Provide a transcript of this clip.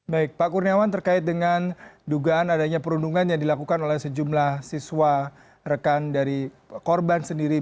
baik pak kurniawan terkait dengan dugaan adanya perundungan yang dilakukan oleh sejumlah siswa rekan dari korban sendiri